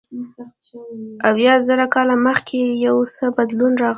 اویا زره کاله مخکې یو څه بدلون راغی.